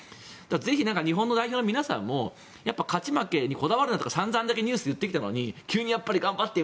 ぜひ日本の代表の皆さんも勝ち負けにこだわるなとかさんざんニュースで言ってきたのに急に頑張って！